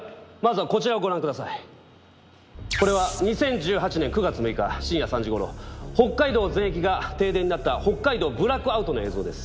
それではこれは２０１８年９月６日深夜３時頃北海道全域が停電になった北海道ブラックアウトの映像です